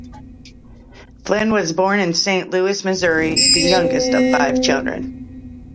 Flinn was born in Saint Louis, Missouri, the youngest of five children.